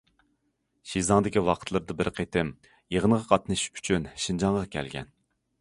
شىزاڭدىكى ۋاقىتلىرىدا بىر قېتىم يىغىنغا قاتنىشىش ئۈچۈن شىنجاڭغا كەلگەن.